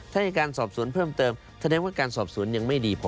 ถ้าอายการสอบสวนเพิ่มเติมแสดงว่าการสอบสวนยังไม่ดีพอ